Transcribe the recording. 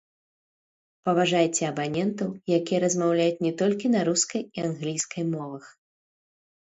Паважайце абанентаў, якія размаўляюць не толькі на рускай і англійскай мовах.